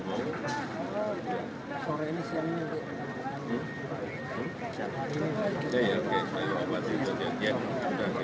kalau siap tapi tempatnya